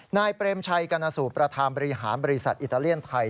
นายเปรมชัยกรณสูตรประธานบริหารบริษัทอิตาเลียนไทย